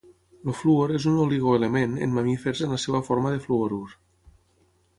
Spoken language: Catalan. El fluor és un oligoelement en mamífers en la seva forma de fluorur.